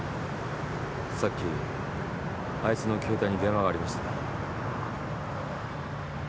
さっきあいつの携帯に電話がありました。